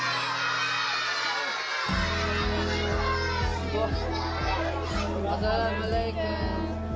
すごい。